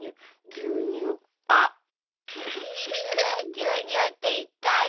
牛乳って言ったね。